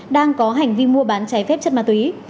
đang có hành vi mua bán trái phép chất ma túy